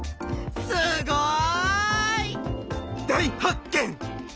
すごい！大発見！